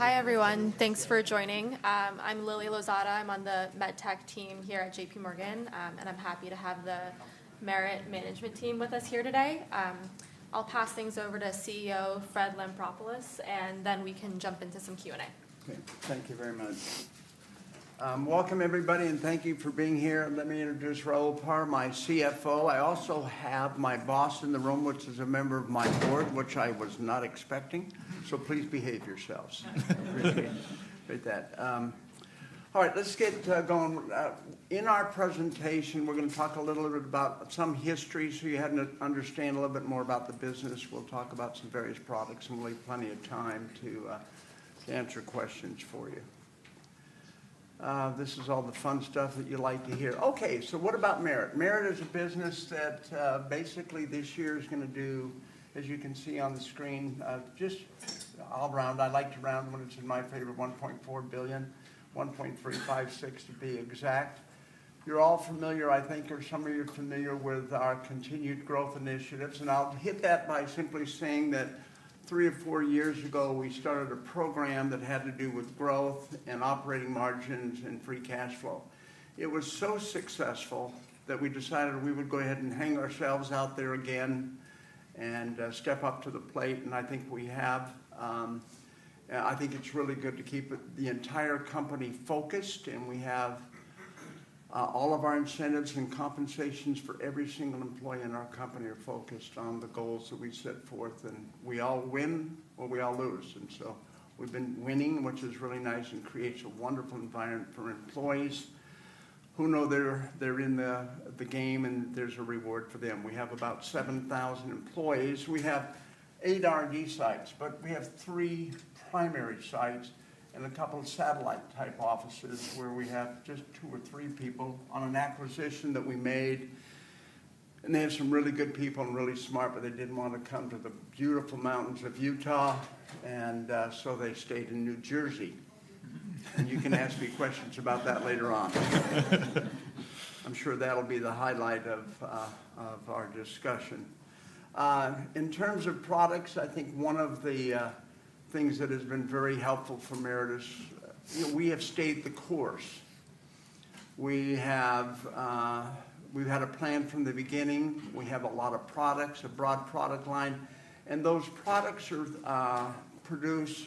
All right. Hi, everyone. Thanks for joining. I'm Lily Lozada. I'm on the MedTech team here at JPMorgan, and I'm happy to have the Merit Management Team with us here today. I'll pass things over to CEO Fred Lampropoulos, and then we can jump into some Q&A. Thank you very much. Welcome, everybody, and thank you for being here. Let me introduce Raul Parra, my CFO. I also have my boss in the room, which is a member of my board, which I was not expecting, so please behave yourselves. I appreciate that. All right, let's get going. In our presentation, we're going to talk a little bit about some history, so you're having to understand a little bit more about the business. We'll talk about some various products, and we'll leave plenty of time to answer questions for you. This is all the fun stuff that you like to hear. Okay, so what about Merit? Merit is a business that basically this year is going to do, as you can see on the screen, just all around. I like to round when it's in my favor: $1.4 billion, $1.356 billion to be exact. You're all familiar, I think, or some of you are familiar with our continued growth initiatives, and I'll hit that by simply saying that three or four years ago we started a program that had to do with growth and operating margins and free cash flow. It was so successful that we decided we would go ahead and hang ourselves out there again and step up to the plate, and I think we have. I think it's really good to keep the entire company focused, and we have all of our incentives and compensations for every single employee in our company are focused on the goals that we set forth, and we all win or we all lose, and so we've been winning, which is really nice and creates a wonderful environment for employees who know they're in the game, and there's a reward for them. We have about 7,000 employees. We have eight R&D sites, but we have three primary sites and a couple of satellite-type offices where we have just two or three people on an acquisition that we made, and they have some really good people and really smart, but they didn't want to come to the beautiful mountains of Utah, and so they stayed in New Jersey, and you can ask me questions about that later on. I'm sure that'll be the highlight of our discussion. In terms of products, I think one of the things that has been very helpful for Merit is we have stayed the course. We've had a plan from the beginning. We have a lot of products, a broad product line, and those products produce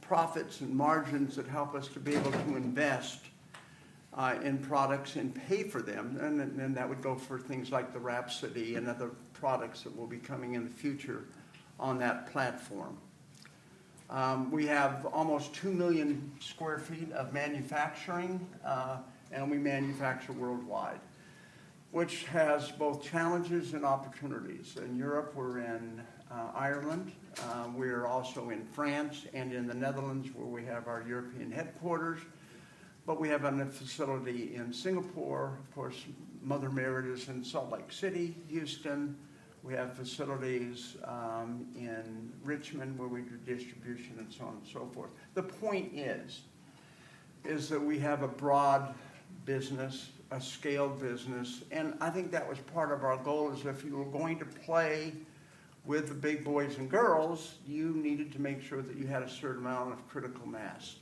profits and margins that help us to be able to invest in products and pay for them. And then that would go for things like the WRAPSODY and other products that will be coming in the future on that platform. We have almost two million sq ft of manufacturing, and we manufacture worldwide, which has both challenges and opportunities. In Europe, we're in Ireland. We are also in France and in the Netherlands where we have our European headquarters. But we have a facility in Singapore. Of course, Mother Merit is in Salt Lake City, Houston. We have facilities in Richmond where we do distribution and so on and so forth. The point is that we have a broad business, a scaled business, and I think that was part of our goal is if you were going to play with the big boys and girls, you needed to make sure that you had a certain amount of critical mass.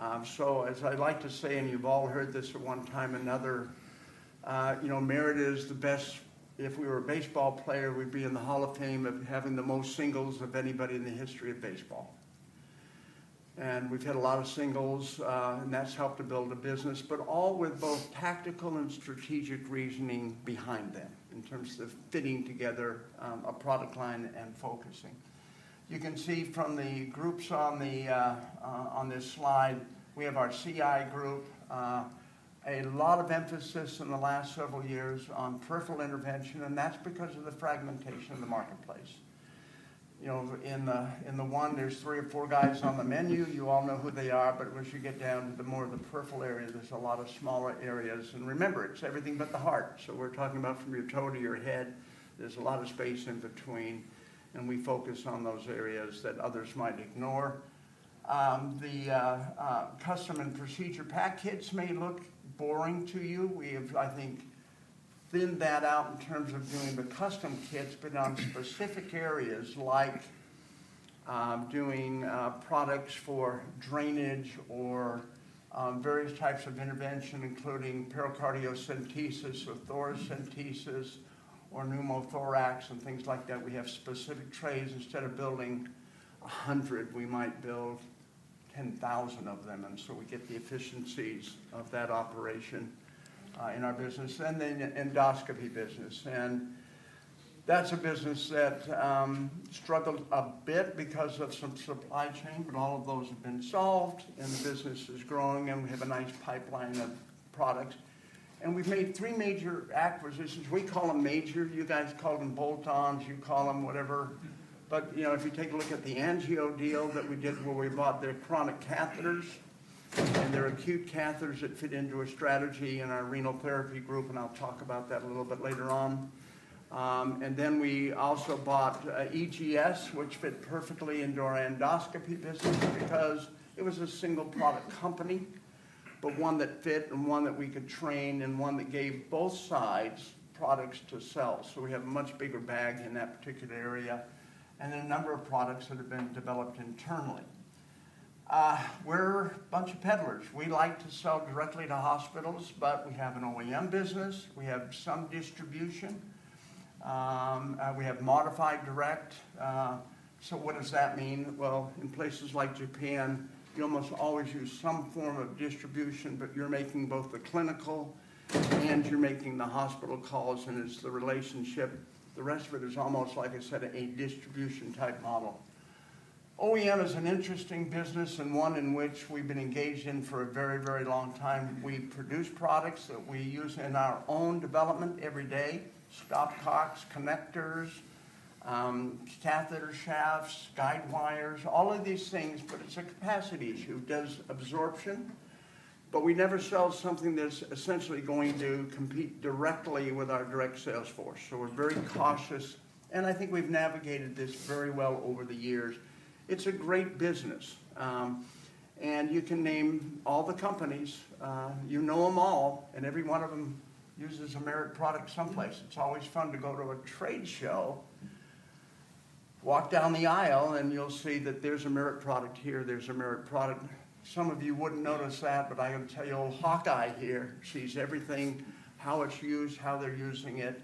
As I like to say, and you've all heard this at one time or another, Merit is the best. If we were a baseball player, we'd be in the Hall of Fame of having the most singles of anybody in the history of baseball. And we've had a lot of singles, and that's helped to build a business, but all with both tactical and strategic reasoning behind them in terms of fitting together a product line and focusing. You can see from the groups on this slide, we have our CGI group, a lot of emphasis in the last several years on peripheral intervention, and that's because of the fragmentation of the marketplace. In the one, there's three or four guys on the menu. You all know who they are, but once you get down to the more of the peripheral areas, there's a lot of smaller areas. Remember, it's everything but the heart. So we're talking about from your toe to your head. There's a lot of space in between, and we focus on those areas that others might ignore. The custom and procedure pack kits may look boring to you. We have, I think, thinned that out in terms of doing the custom kits, but on specific areas like doing products for drainage or various types of intervention, including pericardiocentesis or thoracentesis or pneumothorax and things like that. We have specific trays. Instead of building 100, we might build 10,000 of them, and so we get the efficiencies of that operation in our business. Then the endoscopy business. That's a business that struggled a bit because of some supply chain, but all of those have been solved, and the business is growing, and we have a nice pipeline of products. And we've made three major acquisitions. We call them major. You guys call them bolt-ons. You call them whatever. But if you take a look at the Angio deal that we did where we bought their chronic catheters and their acute catheters that fit into a strategy in our renal therapy group, and I'll talk about that a little bit later on. And then we also bought EGS, which fit perfectly into our endoscopy business because it was a single product company, but one that fit and one that we could train and one that gave both sides products to sell. So we have a much bigger bag in that particular area and a number of products that have been developed internally. We're a bunch of peddlers. We like to sell directly to hospitals, but we have an OEM business. We have some distribution. We have modified direct. So what does that mean? Well, in places like Japan, you almost always use some form of distribution, but you're making both the clinical and you're making the hospital calls, and it's the relationship. The rest of it is almost, like I said, a distribution-type model. OEM is an interesting business and one in which we've been engaged in for a very, very long time. We produce products that we use in our own development every day: stopcocks, connectors, catheter shafts, guide wires, all of these things. But it's a capacity issue. It does absorption, but we never sell something that's essentially going to compete directly with our direct sales force. So we're very cautious, and I think we've navigated this very well over the years. It's a great business, and you can name all the companies. You know them all, and every one of them uses a Merit product someplace. It's always fun to go to a trade show, walk down the aisle, and you'll see that there's a Merit product here. There's a Merit product. Some of you wouldn't notice that, but I can tell you old Hawkeye here sees everything, how it's used, how they're using it.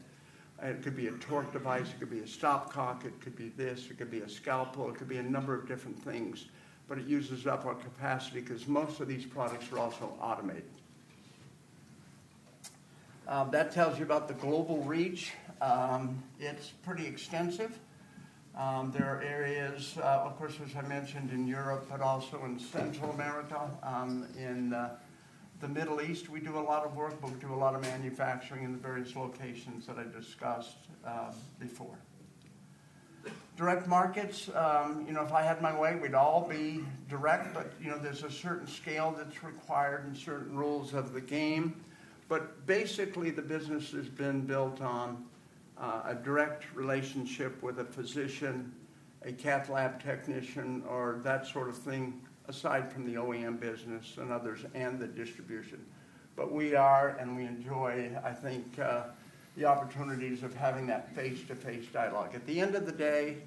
It could be a torque device. It could be a stopcock. It could be this. It could be a scalpel. It could be a number of different things, but it uses up our capacity because most of these products are also automated. That tells you about the global reach. It's pretty extensive. There are areas, of course, as I mentioned, in Europe, but also in Central America. In the Middle East, we do a lot of work, but we do a lot of manufacturing in the various locations that I discussed before. Direct markets, if I had my way, we'd all be direct, but there's a certain scale that's required and certain rules of the game. But basically, the business has been built on a direct relationship with a physician, a cath lab technician, or that sort of thing, aside from the OEM business and others and the distribution. But we are, and we enjoy, I think, the opportunities of having that face-to-face dialogue. At the end of the day,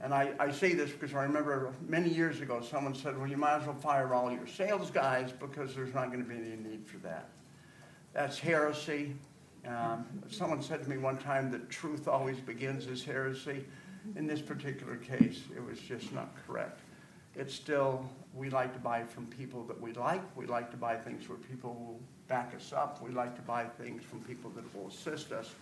and I say this because I remember many years ago, someone said, "Well, you might as well fire all your sales guys because there's not going to be any need for that." That's heresy. Someone said to me one time, "The truth always begins as heresy." In this particular case, it was just not correct. It's still, we like to buy from people that we like. We like to buy things where people will back us up. We like to buy things from people that will assist us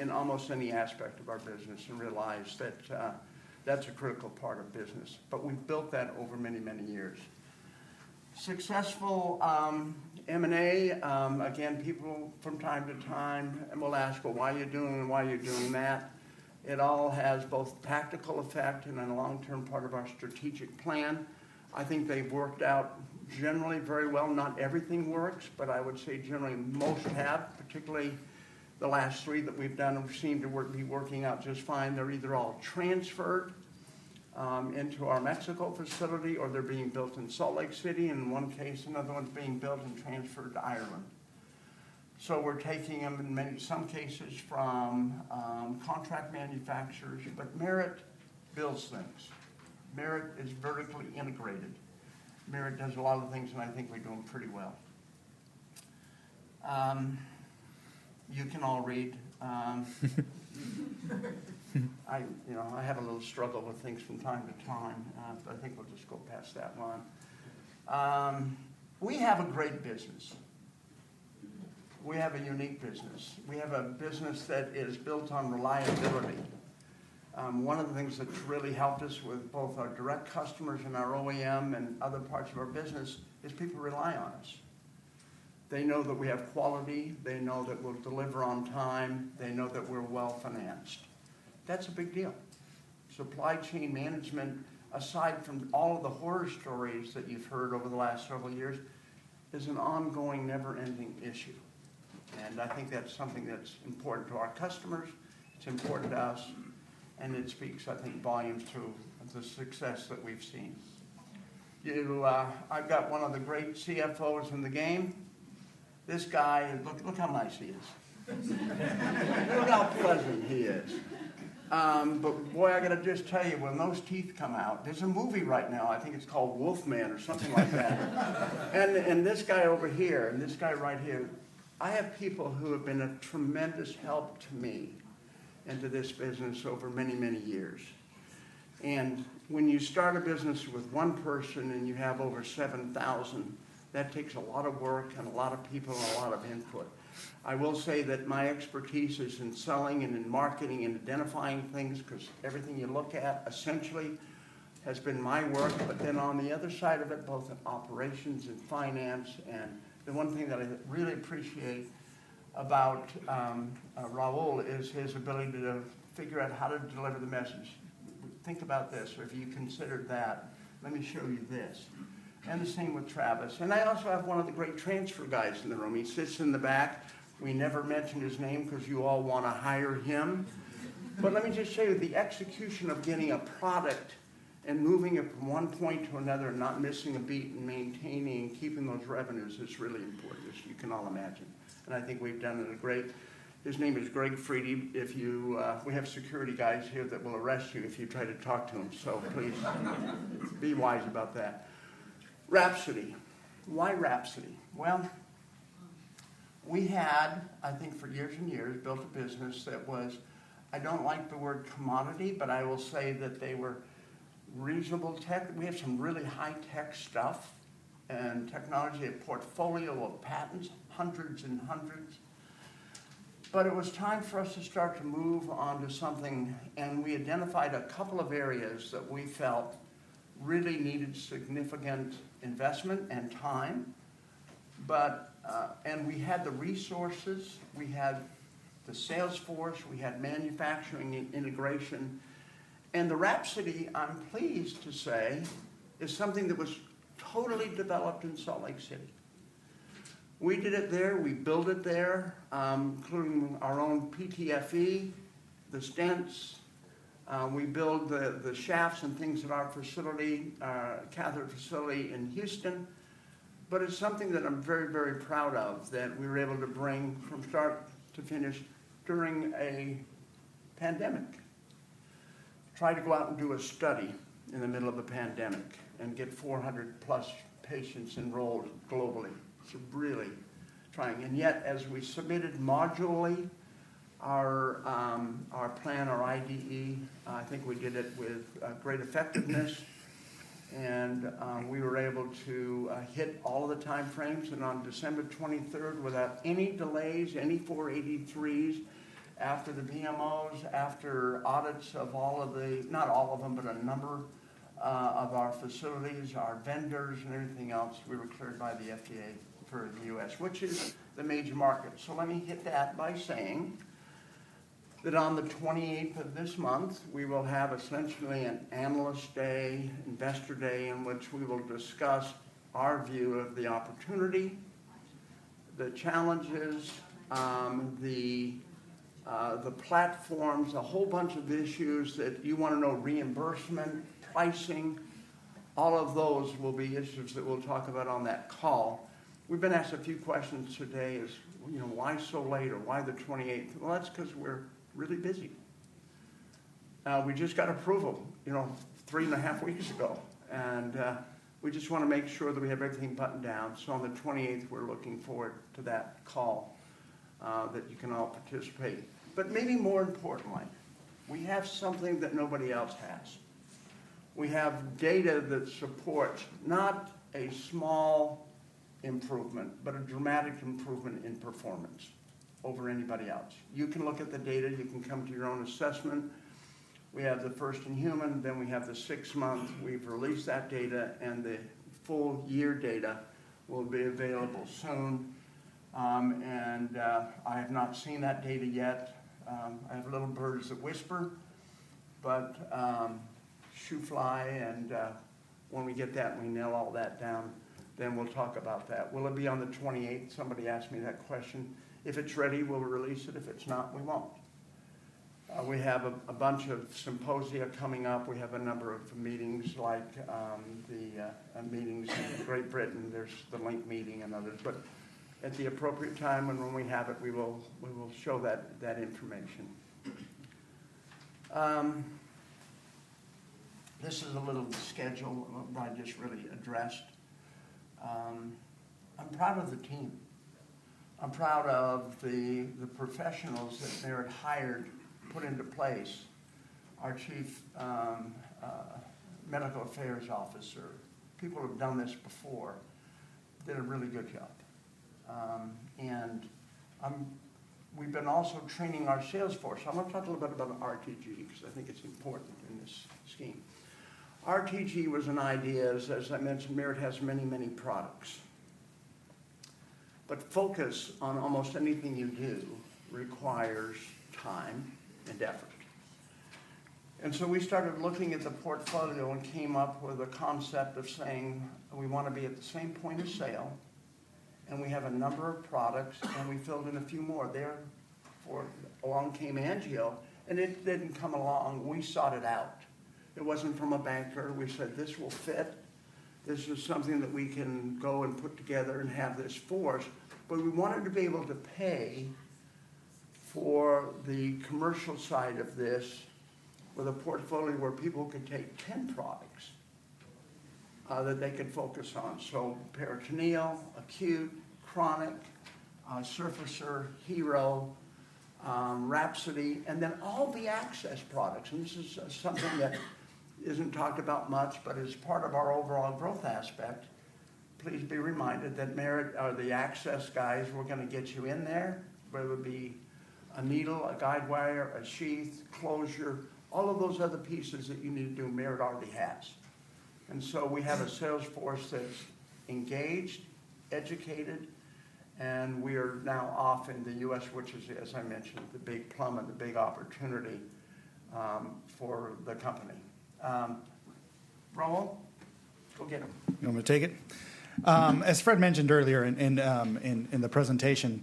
in almost any aspect of our business and realize that that's a critical part of business. But we've built that over many, many years. Successful M&A, again, people from time to time will ask, "Well, why are you doing it? Why are you doing that?" It all has both tactical effect and a long-term part of our strategic plan. I think they've worked out generally very well. Not everything works, but I would say generally most have, particularly the last three that we've done, have seemed to be working out just fine. They're either all transferred into our Mexico facility or they're being built in Salt Lake City. In one case, another one's being built and transferred to Ireland. So we're taking them in some cases from contract manufacturers, but Merit builds things. Merit is vertically integrated. Merit does a lot of things, and I think we're doing pretty well. You can all read. I have a little struggle with things from time to time, but I think we'll just go past that one. We have a great business. We have a unique business. We have a business that is built on reliability. One of the things that's really helped us with both our direct customers and our OEM and other parts of our business is people rely on us. They know that we have quality. They know that we'll deliver on time. They know that we're well financed. That's a big deal. Supply chain management, aside from all of the horror stories that you've heard over the last several years, is an ongoing, never-ending issue. And I think that's something that's important to our customers. It's important to us, and it speaks, I think, volumes to the success that we've seen. I've got one of the great CFOs in the game. This guy, look how nice he is. Look how pleasant he is. But boy, I got to just tell you, when those teeth come out, there's a movie right now. I think it's called Wolfman or something like that. And this guy over here and this guy right here, I have people who have been a tremendous help to me into this business over many, many years. When you start a business with one person and you have over 7,000, that takes a lot of work and a lot of people and a lot of input. I will say that my expertise is in selling and in marketing and identifying things because everything you look at essentially has been my work. Then on the other side of it, both in operations and finance. The one thing that I really appreciate about Raul is his ability to figure out how to deliver the message. Think about this. Or if you considered that, let me show you this. The same with Travis. I also have one of the great transfer guys in the room. He sits in the back. We never mentioned his name because you all want to hire him. But let me just show you the execution of getting a product and moving it from one point to another and not missing a beat and maintaining and keeping those revenues is really important, as you can all imagine. And I think we've done it great. His name is Greg Fredde. We have security guys here that will arrest you if you try to talk to him, so please be wise about that. WRAPSODY. Why WRAPSODY? Well, we had, I think for years and years, built a business that was, I don't like the word commodity, but I will say that they were reasonable tech. We had some really high-tech stuff and technology, a portfolio of patents, hundreds and hundreds. But it was time for us to start to move on to something, and we identified a couple of areas that we felt really needed significant investment and time. And we had the resources. We had the sales force. We had manufacturing integration. And the WRAPSODY, I'm pleased to say, is something that was totally developed in Salt Lake City. We did it there. We built it there, including our own PTFE, the stents. We built the shafts and things at our facility, our catheter facility in Houston. But it's something that I'm very, very proud of that we were able to bring from start to finish during a pandemic. Try to go out and do a study in the middle of a pandemic and get 400-plus patients enrolled globally. It's really trying. Yet, as we submitted modularly our plan, our IDE, I think we did it with great effectiveness, and we were able to hit all of the time frames. On December 23rd, without any delays, any 483s after the PMOs, after audits of all of the, not all of them, but a number of our facilities, our vendors, and everything else, we were cleared by the FDA for the U.S., which is the major market. Let me hit that by saying that on the 28th of this month, we will have essentially an analyst day, investor day, in which we will discuss our view of the opportunity, the challenges, the platforms, a whole bunch of issues that you want to know: reimbursement, pricing. All of those will be issues that we'll talk about on that call. We've been asked a few questions today as to why so late or why the 28th, well, that's because we're really busy. We just got approval three and a half weeks ago, and we just want to make sure that we have everything buttoned down, so on the 28th, we're looking forward to that call that you can all participate, but maybe more importantly, we have something that nobody else has. We have data that supports not a small improvement, but a dramatic improvement in performance over anybody else. You can look at the data. You can come to your own assessment. We have the first in human, then we have the six-month. We've released that data, and the full year data will be available soon, and I have not seen that data yet. I have little birds that whisper, but shoo fly. When we get that, we nail all that down. Then we'll talk about that. Will it be on the 28th? Somebody asked me that question. If it's ready, we'll release it. If it's not, we won't. We have a bunch of symposia coming up. We have a number of meetings, like the meetings in Great Britain. There's the LINC meeting and others. But at the appropriate time and when we have it, we will show that information. This is a little schedule that I just really addressed. I'm proud of the team. I'm proud of the professionals that Merit hired, put into place, our Chief Medical Affairs Officer. People have done this before. They're a really good help. And we've been also training our sales force. I'm going to talk a little bit about RTG because I think it's important in this scheme. RTG was an idea, as I mentioned. Merit has many, many products, but focus on almost anything you do requires time and effort, and so we started looking at the portfolio and came up with a concept of saying, "We want to be at the same point of sale, and we have a number of products, and we filled in a few more." There along came Angio, and it didn't come along. We sought it out. It wasn't from a banker. We said, "This will fit. This is something that we can go and put together and have this force," but we wanted to be able to pay for the commercial side of this with a portfolio where people could take 10 products that they could focus on, so peritoneal, acute, chronic, Surfacer, HeRO, WRAPSODY, and then all the access products. And this is something that isn't talked about much, but it's part of our overall growth aspect. Please be reminded that Merit are the access guys. We're going to get you in there. Whether it be a needle, a guidewire, a sheath, closure, all of those other pieces that you need to do, Merit already has. And so we have a sales force that's engaged, educated, and we are now off in the U.S., which is, as I mentioned, the big plum and the big opportunity for the company. Raul, go get them. You want me to take it? As Fred mentioned earlier in the presentation,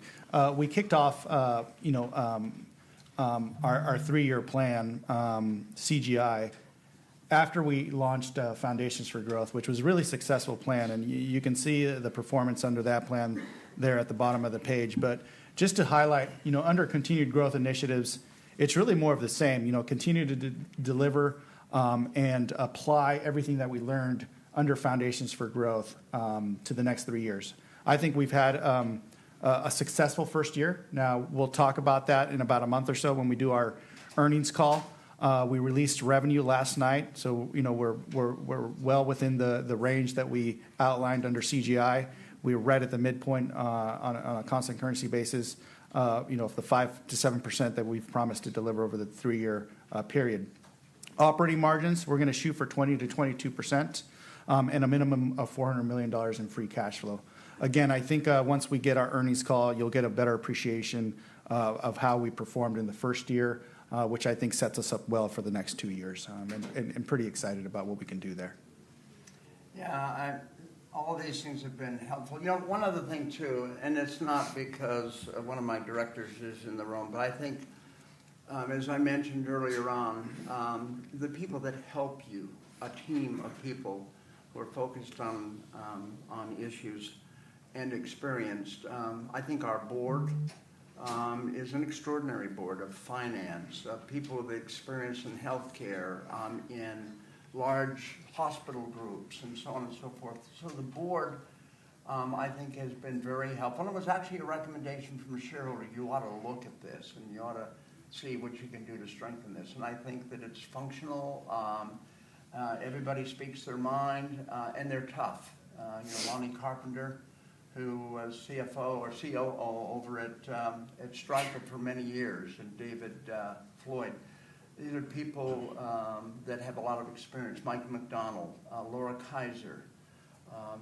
we kicked off our three-year plan, CGI, after we launched Foundations for Growth, which was a really successful plan. And you can see the performance under that plan there at the bottom of the page. Just to highlight, under Continued Growth Initiatives, it's really more of the same. Continue to deliver and apply everything that we learned under Foundations for Growth to the next three years. I think we've had a successful first year. Now, we'll talk about that in about a month or so when we do our earnings call. We released revenue last night, so we're well within the range that we outlined under CGI. We were right at the midpoint on a constant currency basis of the 5%-7% that we've promised to deliver over the three-year period. Operating margins, we're going to shoot for 20%-22% and a minimum of $400 million in free cash flow. Again, I think once we get our earnings call, you'll get a better appreciation of how we performed in the first year, which I think sets us up well for the next two years. I'm pretty excited about what we can do there. Yeah, all these things have been helpful. One other thing too, and it's not because one of my directors is in the room, but I think, as I mentioned earlier on, the people that help you, a team of people who are focused on issues and experienced, I think our board is an extraordinary board of finance, of people with experience in healthcare, in large hospital groups, and so on and so forth. So the board, I think, has been very helpful. It was actually a recommendation from Sheryl, "You ought to look at this, and you ought to see what you can do to strengthen this." And I think that it's functional. Everybody speaks their mind, and they're tough. Lonny Carpenter, who was CFO or COO over at Stryker for many years, and David Floyd, these are people that have a lot of experience. Mike McDonnell, Laura Kaiser.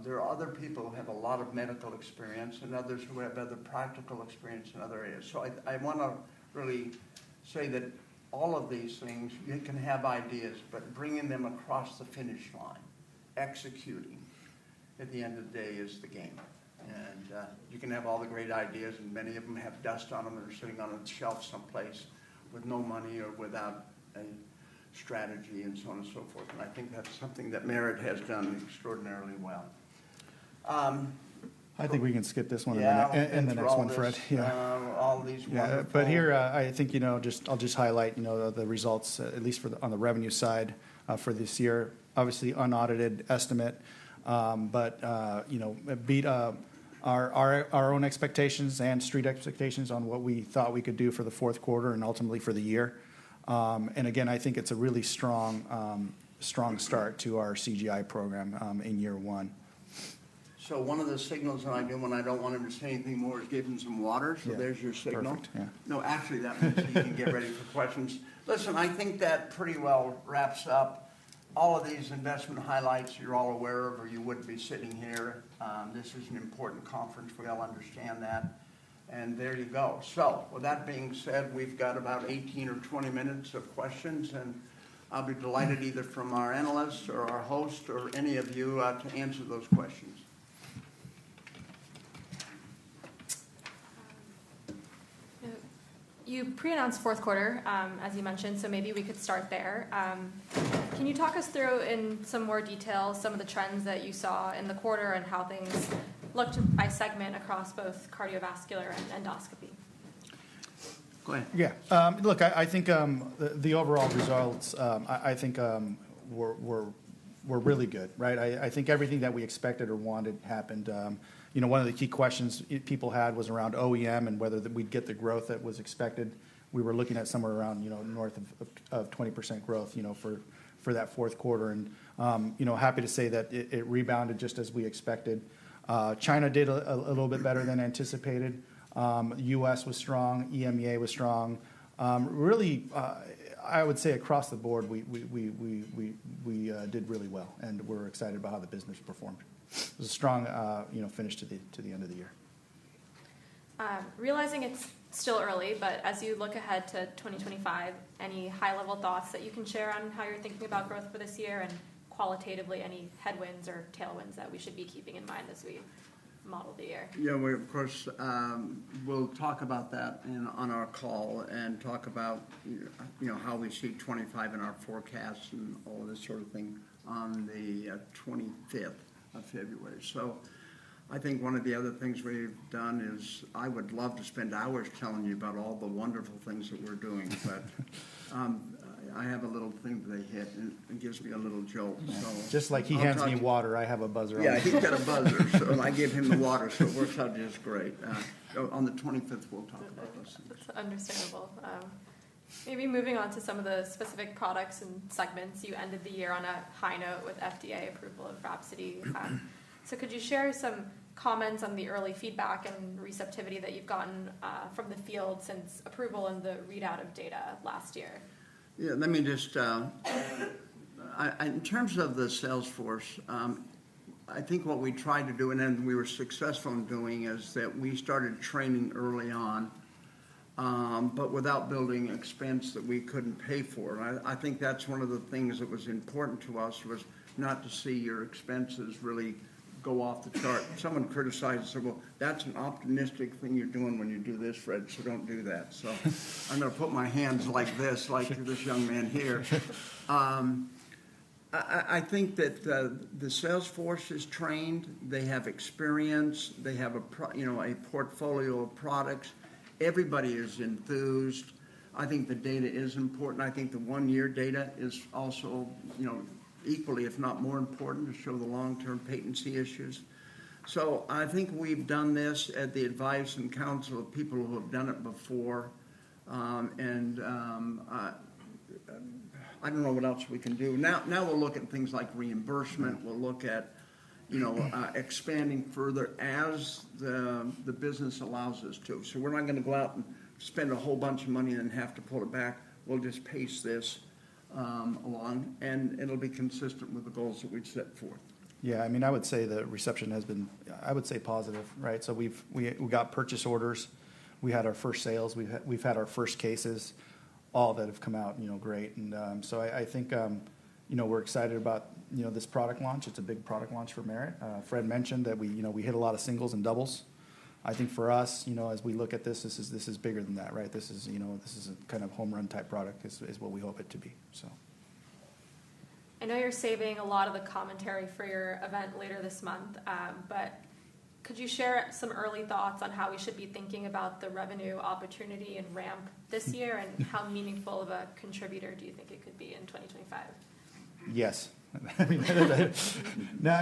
There are other people who have a lot of medical experience and others who have other practical experience in other areas. So I want to really say that all of these things, you can have ideas, but bringing them across the finish line, executing at the end of the day is the game. You can have all the great ideas, and many of them have dust on them and are sitting on a shelf someplace with no money or without a strategy and so on and so forth. I think that's something that Merit has done extraordinarily well. I think we can skip this one and the next one for it. Yeah. All these ones. But here, I think I'll just highlight the results, at least on the revenue side for this year. Obviously, unaudited estimate, but beat our own expectations and street expectations on what we thought we could do for the fourth quarter and ultimately for the year. And again, I think it's a really strong start to our CGI program in year one. So one of the signals that I do when I don't want him to say anything more is give him some water. So there's your signal. Perfect. Yeah. No, actually, that means that you can get ready for questions. Listen, I think that pretty well wraps up all of these investment highlights you're all aware of, or you wouldn't be sitting here. This is an important conference. We all understand that. And there you go. So with that being said, we've got about 18 or 20 minutes of questions, and I'll be delighted either from our analysts or our host or any of you to answer those questions. You pre-announced fourth quarter, as you mentioned, so maybe we could start there. Can you talk us through in some more detail some of the trends that you saw in the quarter and how things looked by segment across both cardiovascular and endoscopy? Go ahead. Yeah. Look, I think the overall results, I think, were really good. Right? I think everything that we expected or wanted happened. One of the key questions people had was around OEM and whether we'd get the growth that was expected. We were looking at somewhere around north of 20% growth for that fourth quarter, and happy to say that it rebounded just as we expected. China did a little bit better than anticipated. US was strong. EMEA was strong. Really, I would say across the board, we did really well, and we're excited about how the business performed. It was a strong finish to the end of the year. Realizing it's still early, but as you look ahead to 2025, any high-level thoughts that you can share on how you're thinking about growth for this year and qualitatively, any headwinds or tailwinds that we should be keeping in mind as we model the year? Yeah, of course. We'll talk about that on our call and talk about how we see 25 in our forecast and all of this sort of thing on the 25th of February. So I think one of the other things we've done is I would love to spend hours telling you about all the wonderful things that we're doing, but I have a little thing that I hit and gives me a little jolt, so. Just like he hands me water, I have a buzzer on. Yeah, he's got a buzzer, so I give him the water. So we're talking to his grade. On the 25th, we'll talk about those things. Understandable. Maybe moving on to some of the specific products and segments. You ended the year on a high note with FDA approval of WRAPSODY. So could you share some comments on the early feedback and receptivity that you've gotten from the field since approval and the readout of data last year? Yeah. Let me just, in terms of the sales force, I think what we tried to do and then we were successful in doing is that we started training early on, but without building expense that we couldn't pay for. And I think that's one of the things that was important to us was not to see your expenses really go off the chart. Someone criticized and said, "Well, that's an optimistic thing you're doing when you do this, Fred, so don't do that." So I'm going to put my hands like this, like this young man here. I think that the sales force is trained. They have experience. They have a portfolio of products. Everybody is enthused. I think the data is important. I think the one-year data is also equally, if not more important, to show the long-term patency issues. So I think we've done this at the advice and counsel of people who have done it before. And I don't know what else we can do. Now we'll look at things like reimbursement. We'll look at expanding further as the business allows us to. So we're not going to go out and spend a whole bunch of money and then have to pull it back. We'll just pace this along, and it'll be consistent with the goals that we've set forth. Yeah. I mean, I would say the reception has been, I would say, positive. Right? So we got purchase orders. We had our first sales. We've had our first cases. All that have come out great. And so I think we're excited about this product launch. It's a big product launch for Merit. Fred mentioned that we hit a lot of singles and doubles. I think for us, as we look at this, this is bigger than that. Right? This is a kind of home run type product is what we hope it to be, so. I know you're saving a lot of the commentary for your event later this month, but could you share some early thoughts on how we should be thinking about the revenue opportunity and ramp this year and how meaningful of a contributor do you think it could be in 2025? Yes. I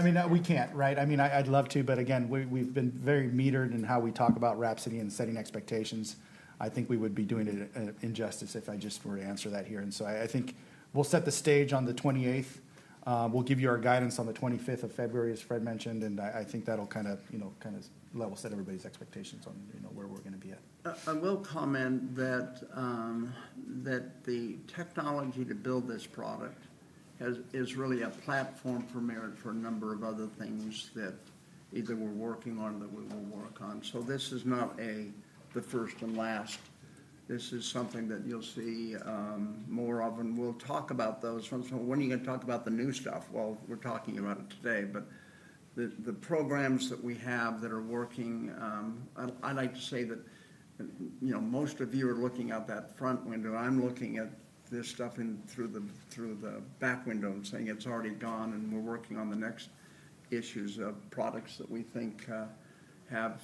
mean, we can't. Right? I mean, I'd love to, but again, we've been very metered in how we talk about WRAPSODY and setting expectations. I think we would be doing it an injustice if I just were to answer that here. And so I think we'll set the stage on the 28th. We'll give you our guidance on the 25th of February, as Fred mentioned, and I think that'll kind of level set everybody's expectations on where we're going to be at. I will comment that the technology to build this product is really a platform for Merit for a number of other things that either we're working on or that we will work on. So this is not the first and last. This is something that you'll see more of, and we'll talk about those. When are you going to talk about the new stuff? Well, we're talking about it today, but the programs that we have that are working, I'd like to say that most of you are looking out that front window. I'm looking at this stuff through the back window and saying it's already gone, and we're working on the next issues of products that we think have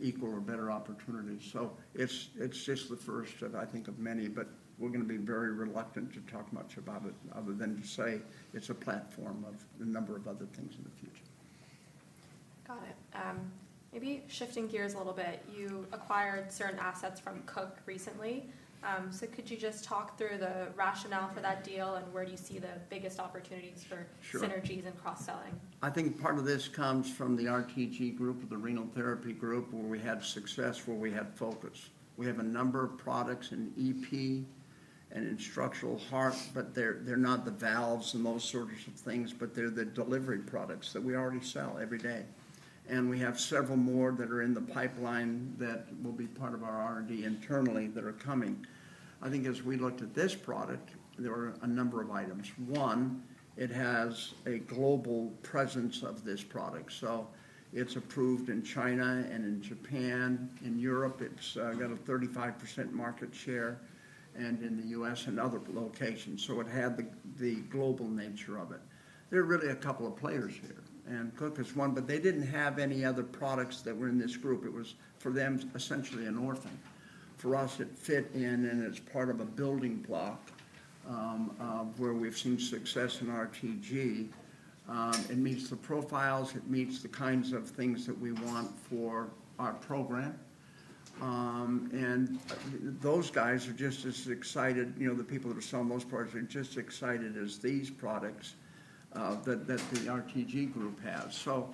equal or better opportunities. So it's just the first of, I think, of many, but we're going to be very reluctant to talk much about it other than to say it's a platform of a number of other things in the future. Got it. Maybe shifting gears a little bit. You acquired certain assets from Cook recently. So could you just talk through the rationale for that deal and where do you see the biggest opportunities for synergies and cross-selling? I think part of this comes from the RTG group of the Renal Therapy Group where we had success, where we had focus. We have a number of products in EP and in structural heart, but they're not the valves and those sorts of things, but they're the delivery products that we already sell every day. And we have several more that are in the pipeline that will be part of our R&D internally that are coming. I think as we looked at this product, there were a number of items. One, it has a global presence of this product. So it's approved in China and in Japan. In Europe, it's got a 35% market share and in the U.S. and other locations. So it had the global nature of it. There are really a couple of players here. And Cook is one, but they didn't have any other products that were in this group. It was for them essentially an orphan. For us, it fit in, and it's part of a building block where we've seen success in RTG. It meets the profiles. It meets the kinds of things that we want for our program. And those guys are just as excited. The people that are selling those products are just as excited as these products that the RTG group has. So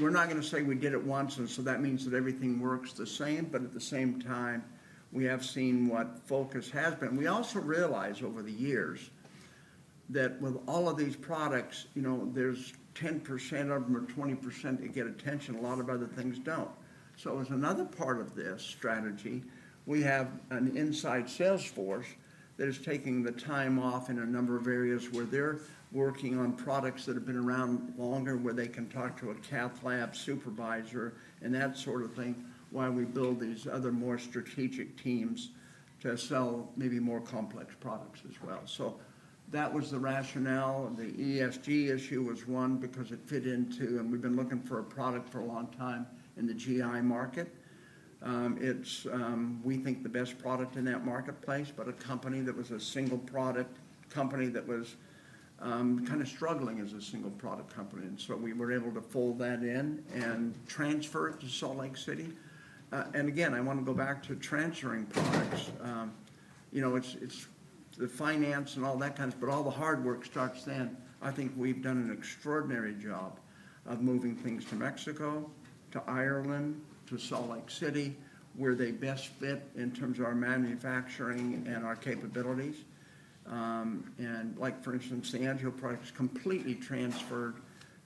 we're not going to say we did it once, and so that means that everything works the same. But at the same time, we have seen what focus has been. We also realize over the years that with all of these products, there's 10% of them or 20% that get attention. A lot of other things don't. So as another part of this strategy, we have an inside sales force that is taking the time off in a number of areas where they're working on products that have been around longer, where they can talk to a cath lab supervisor and that sort of thing, while we build these other more strategic teams to sell maybe more complex products as well. So that was the rationale. The ESG issue was one because it fit into, and we've been looking for a product for a long time in the GI market. It's, we think, the best product in that marketplace, but a company that was a single product company that was kind of struggling as a single product company. And so we were able to fold that in and transfer it to Salt Lake City. And again, I want to go back to transferring products. It's the finance and all that kind of stuff, but all the hard work starts then. I think we've done an extraordinary job of moving things to Mexico, to Ireland, to Salt Lake City, where they best fit in terms of our manufacturing and our capabilities. And for instance, the Angio product is completely transferred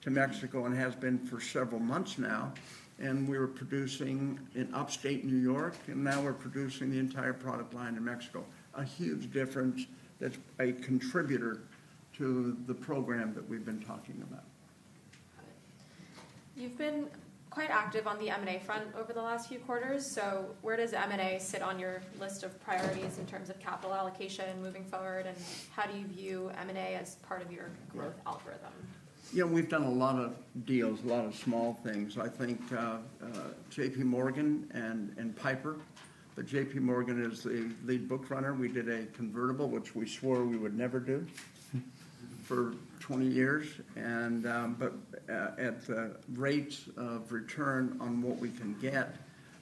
to Mexico and has been for several months now. And we were producing in upstate New York, and now we're producing the entire product line in Mexico. A huge difference that's a contributor to the program that we've been talking about. Got it. You've been quite active on the M&A front over the last few quarters. So where does M&A sit on your list of priorities in terms of capital allocation moving forward, and how do you view M&A as part of your growth algorithm? Yeah. We've done a lot of deals, a lot of small things. I think J.P. Morgan and Piper, but J.P. Morgan is the lead bookrunner. We did a convertible, which we swore we would never do for 20 years, but at the rates of return on what we can get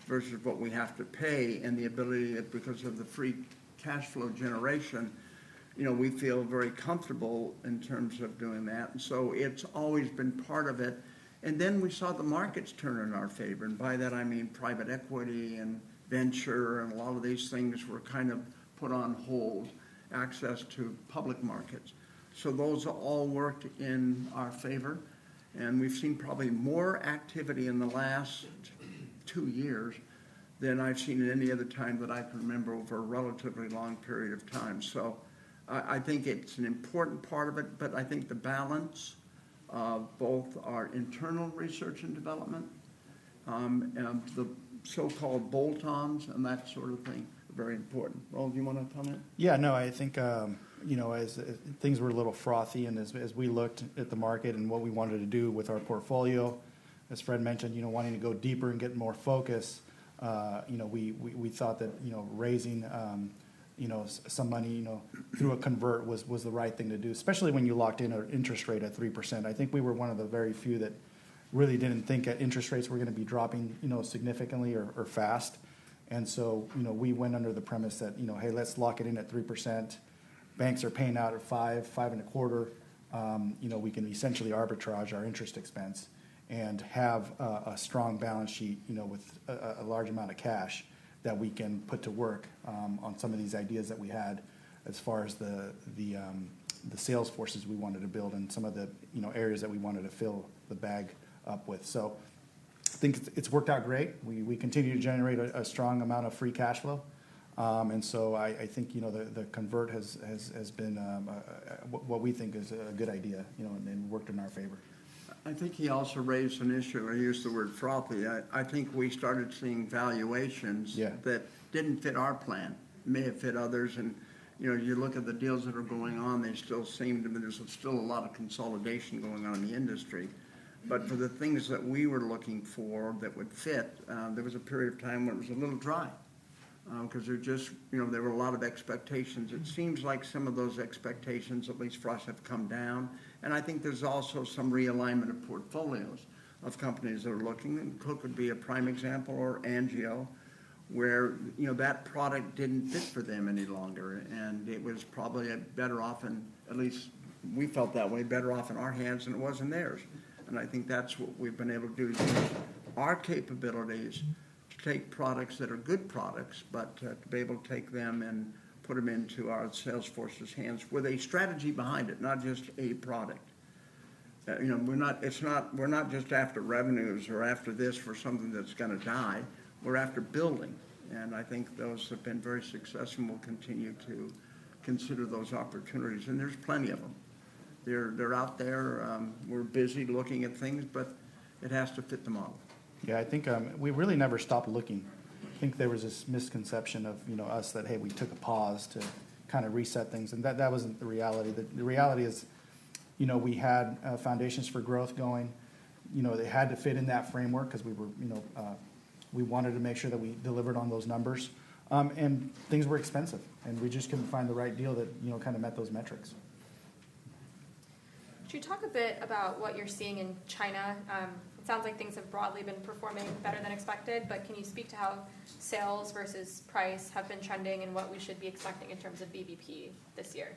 versus what we have to pay and the ability that because of the free cash flow generation, we feel very comfortable in terms of doing that, and so it's always been part of it, and then we saw the markets turn in our favor, and by that, I mean private equity and venture and a lot of these things were kind of put on hold, access to public markets, so those all worked in our favor. And we've seen probably more activity in the last two years than I've seen at any other time that I can remember over a relatively long period of time. So I think it's an important part of it, but I think the balance of both our internal research and development and the so-called bolt-ons and that sort of thing are very important. Will, do you want to comment? Yeah. No, I think as things were a little frothy and as we looked at the market and what we wanted to do with our portfolio, as Fred mentioned, wanting to go deeper and get more focus, we thought that raising some money through a convert was the right thing to do, especially when you locked in an interest rate at 3%. I think we were one of the very few that really didn't think that interest rates were going to be dropping significantly or fast. And so we went under the premise that, "Hey, let's lock it in at 3%. Banks are paying out at 5%-5.25%. We can essentially arbitrage our interest expense and have a strong balance sheet with a large amount of cash that we can put to work on some of these ideas that we had as far as the sales forces we wanted to build and some of the areas that we wanted to fill the bag up with." So I think it's worked out great. We continue to generate a strong amount of Free Cash Flow. And so I think the convert has been what we think is a good idea and worked in our favor. I think he also raised an issue. I used the word frothy. I think we started seeing valuations that didn't fit our plan. It may have fit others, and you look at the deals that are going on. They still seem to. There's still a lot of consolidation going on in the industry, but for the things that we were looking for that would fit, there was a period of time when it was a little dry because there were a lot of expectations. It seems like some of those expectations, at least for us, have come down, and I think there's also some realignment of portfolios of companies that are looking, and Cook would be a prime example or Angio, where that product didn't fit for them any longer. And it was probably better off, and at least we felt that way, better off in our hands than it was in theirs. And I think that's what we've been able to do is use our capabilities to take products that are good products, but to be able to take them and put them into our sales forces' hands with a strategy behind it, not just a product. We're not just after revenues or after this for something that's going to die. We're after building. And I think those have been very successful and we'll continue to consider those opportunities. And there's plenty of them. They're out there. We're busy looking at things, but it has to fit the model. Yeah. I think we really never stopped looking. I think there was this misconception of us that, "Hey, we took a pause to kind of reset things." And that wasn't the reality. The reality is we had Foundations for Growth going. They had to fit in that framework because we wanted to make sure that we delivered on those numbers. And things were expensive, and we just couldn't find the right deal that kind of met those metrics. Could you talk a bit about what you're seeing in China? It sounds like things have broadly been performing better than expected, but can you speak to how sales versus price have been trending and what we should be expecting in terms of BVP this year?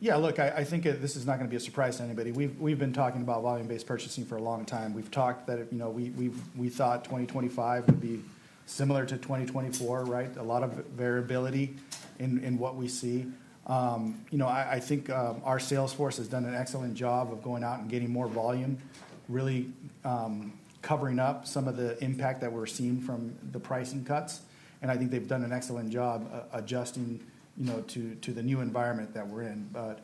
Yeah. Look, I think this is not going to be a surprise to anybody. We've been talking about Volume-Based Purchasing for a long time. We've talked that we thought 2025 would be similar to 2024. Right? A lot of variability in what we see. I think our sales force has done an excellent job of going out and getting more volume, really covering up some of the impact that we're seeing from the pricing cuts. And I think they've done an excellent job adjusting to the new environment that we're in. But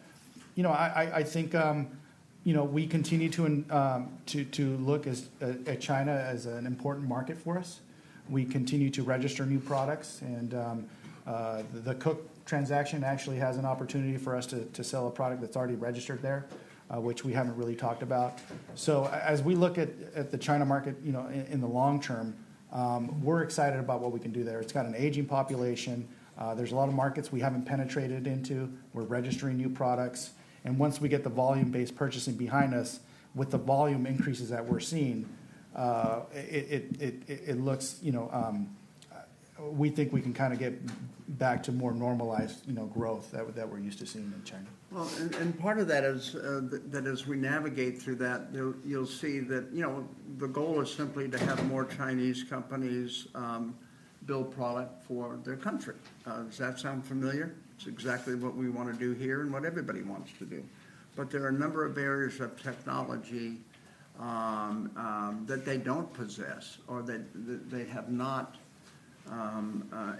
I think we continue to look at China as an important market for us. We continue to register new products. And the Cook transaction actually has an opportunity for us to sell a product that's already registered there, which we haven't really talked about. So as we look at the China market in the long term, we're excited about what we can do there. It's got an aging population. There's a lot of markets we haven't penetrated into. We're registering new products. Once we get the Volume-Based Purchasing behind us, with the volume increases that we're seeing, it looks, we think we can kind of get back to more normalized growth that we're used to seeing in China. Well, and part of that is that as we navigate through that, you'll see that the goal is simply to have more Chinese companies build product for their country. Does that sound familiar? It's exactly what we want to do here and what everybody wants to do. But there are a number of areas of technology that they don't possess or that they have not,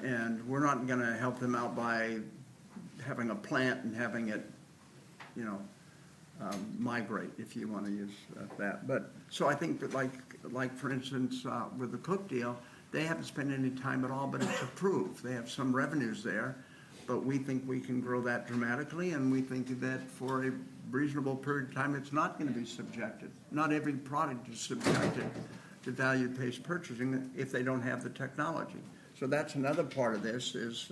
and we're not going to help them out by having a plant and having it migrate, if you want to use that. But so I think that, for instance, with the Cook deal, they haven't spent any time at all, but it's approved. They have some revenues there, but we think we can grow that dramatically. And we think that for a reasonable period of time, it's not going to be subjected. Not every product is subjected to volume-based purchasing if they don't have the technology. So that's another part of this is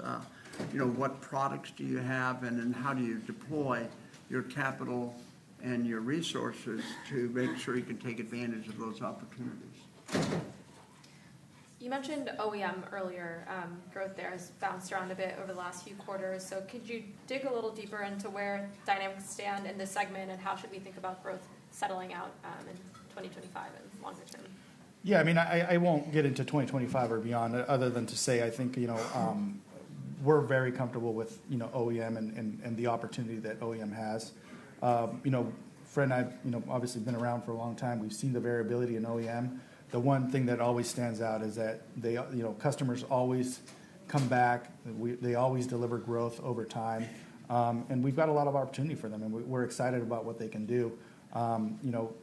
what products do you have and then how do you deploy your capital and your resources to make sure you can take advantage of those opportunities. You mentioned OEM earlier. Growth there has bounced around a bit over the last few quarters. So could you dig a little deeper into where dynamics stand in the segment and how should we think about growth settling out in 2025 and longer term? Yeah. I mean, I won't get into 2025 or beyond other than to say I think we're very comfortable with OEM and the opportunity that OEM has. Fred and I have obviously been around for a long time. We've seen the variability in OEM. The one thing that always stands out is that customers always come back. They always deliver growth over time. And we've got a lot of opportunity for them, and we're excited about what they can do.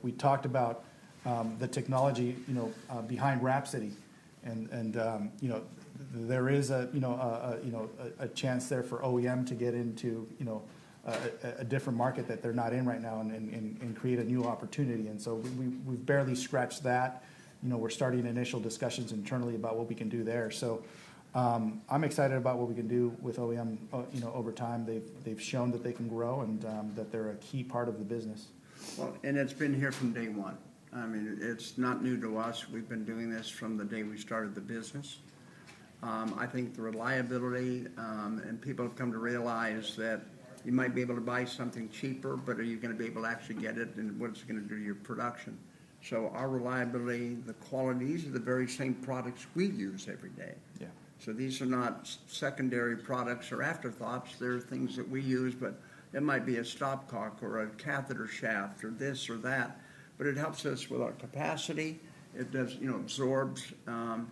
We talked about the technology behind WRAPSODY, and there is a chance there for OEM to get into a different market that they're not in right now and create a new opportunity. And so we've barely scratched that. We're starting initial discussions internally about what we can do there. So I'm excited about what we can do with OEM over time. They've shown that they can grow and that they're a key part of the business. Well, and it's been here from day one. I mean, it's not new to us. We've been doing this from the day we started the business. I think the reliability and people have come to realize that you might be able to buy something cheaper, but are you going to be able to actually get it, and what's it going to do to your production? So our reliability, the qualities, are the very same products we use every day. So these are not secondary products or afterthoughts. They're things that we use, but it might be a stopcock or a catheter shaft or this or that, but it helps us with our capacity. It absorbs. And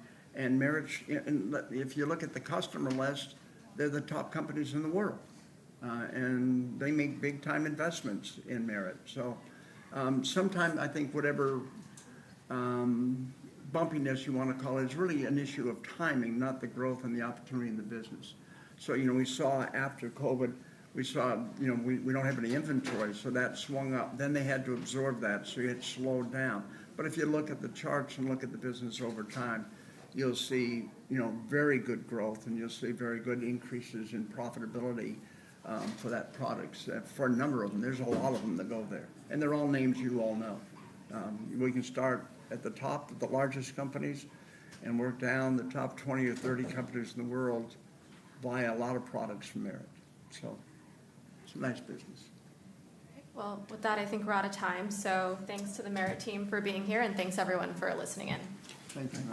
if you look at the customer list, they're the top companies in the world, and they make big-time investments in Merit. So sometimes I think whatever bumpiness you want to call it is really an issue of timing, not the growth and the opportunity in the business. So we saw after COVID, we saw we don't have any inventory, so that swung up. Then they had to absorb that, so it slowed down. But if you look at the charts and look at the business over time, you'll see very good growth, and you'll see very good increases in profitability for that product, for a number of them. There's a lot of them that go there, and they're all names you all know. We can start at the top of the largest companies and work down the top 20 or 30 companies in the world, buy a lot of products from Merit. So it's a nice business. All right. Well, with that, I think we're out of time. So thanks to the Merit team for being here, and thanks everyone for listening in. Thank you.